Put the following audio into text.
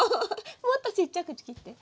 もっとちっちゃく切って。